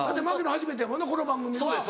初めてやもんなこの番組な。